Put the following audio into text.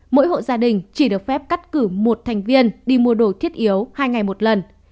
mỗi hộ gia đình chỉ được phép cắt cử một thành viên đi mua đồ thiết yếu hai ngày một lần